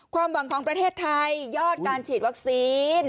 ความหวังของประเทศไทยยอดการฉีดวัคซีน